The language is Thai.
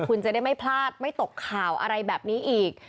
คุณจะได้ไม่พลาดไม่ตกข่าวอะไรแบบนี้อีก